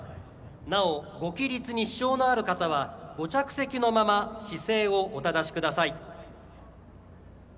なお、ご起立に支障のある方はご着席のまま姿勢をお正しください。